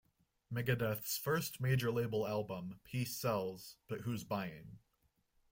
Megadeth's first major-label album, Peace Sells... but Who's Buying?